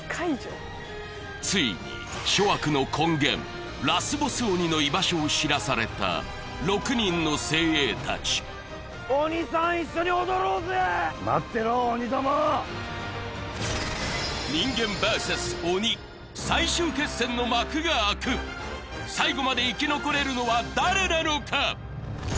ついに諸悪の根源ラスボス鬼の居場所を知らされた６人の精鋭たち人間ＶＳ鬼最終決戦の幕が開く最後まで生き残れるのは誰なのか？